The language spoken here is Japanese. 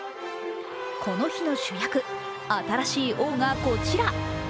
この日の主役、新しい王がこちら。